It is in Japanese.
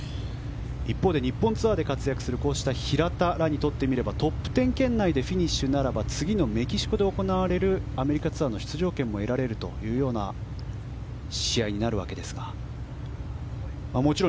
一方、日本ツアーで活躍する平田らにとってはトップ１０圏内でフィニッシュならば次のメキシコで行われるアメリカツアーの出場権も得られる試合になるわけですが。